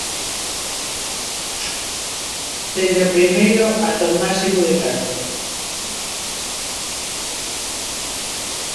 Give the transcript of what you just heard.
Dende o primeiro ata un máximo de catro.